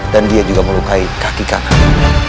dan dia juga melukai kaki kakam